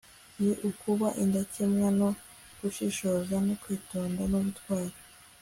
ni ukuba indakemwa no gushishoza, no kwitonda n'ubutwari